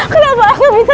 kenapa aku bisa